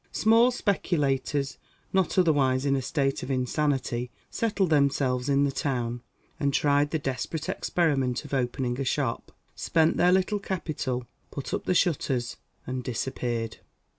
Small speculators, not otherwise in a state of insanity, settled themselves in the town, and tried the desperate experiment of opening a shop; spent their little capital, put up the shutters, and disappeared.